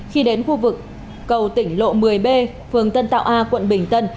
khi đến khu vực cầu tỉnh lộ một mươi b phường tân tạo a quận bình tân